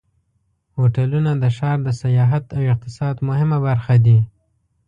هوټلونه د ښار د سیاحت او اقتصاد مهمه برخه دي.